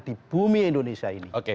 di bumi indonesia ini